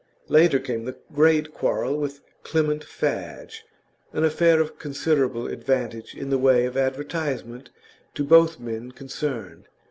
Later came the great quarrel with Clement Fadge, an affair of considerable advantage in the way of advertisement to both the men concerned.